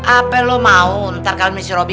apa lu mau ntar kalo si robby